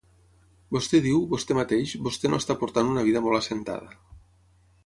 Vostè diu, vostè mateix, vostè no està portant una vida molt assentada.